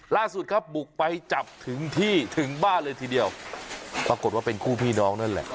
ล่าสุดครับบุกไปจับถึงที่ถึงบ้านเลยทีเดียวปรากฏว่าเป็นคู่พี่น้องนั่นแหละ